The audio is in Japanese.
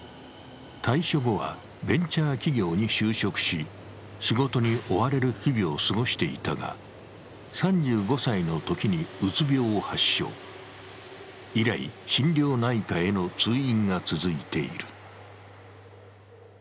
退所後はベンチャー企業に就職し、仕事に追われる日々を過ごしていたが３５歳のときにうつ病を発症、以来、心療内科への通院が続いている。